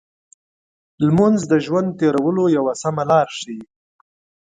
لمونځ د ژوند تېرولو یو سمه لار ښيي.